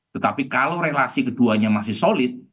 tetapi kalau relasi keduanya masih solid